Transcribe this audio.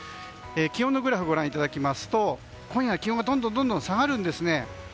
気温のグラフをご覧いただきますと今夜は気温がどんどん下がるんですね。